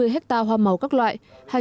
ba trăm năm mươi hectare hoa màu các loại